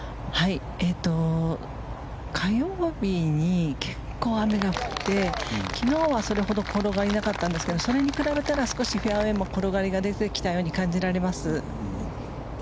火曜日に、結構雨が降って昨日はそれほど転がりがなかったんですけどそれに比べたらフェアウェーも転がりが出てきたように感じられます。